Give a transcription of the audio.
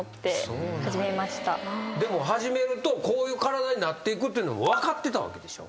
でも始めるとこういう体になっていくというのは分かってたわけでしょ？